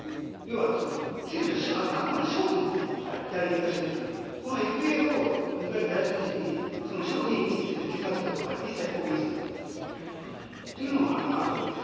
選手はあくまで商品なので代理人からしてみたらＦＡを迎える大事な時期に商品に傷がつくことは一切公言するなというのはあると思います。